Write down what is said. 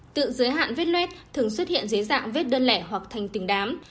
tự giới hạn vết luet thường xuất hiện dưới dạng vết đơn lẻ hoặc thành tình đám